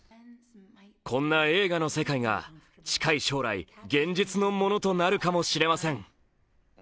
こんな映画の世界が近い将来、現実のものとなるかもしれません。